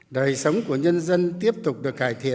đời sống của nhân dân tiếp tục được cải thiện